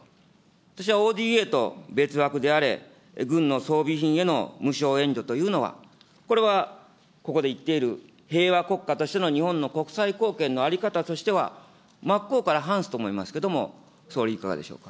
私はＯＤＡと別枠であれ、軍の装備品への無償援助というのは、これはここでいっている平和国家としての日本の国際貢献の在り方としては、真っ向から反すと思いますけれども、総理、いかがでしょ